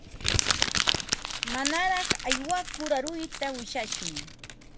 Manaraq aywakur aruyta ushashun.